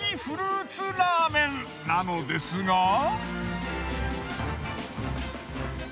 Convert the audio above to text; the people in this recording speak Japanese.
フルーツラーメンなのですが。